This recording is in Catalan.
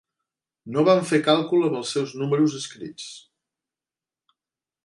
No van fer càlcul amb els seus números escrits.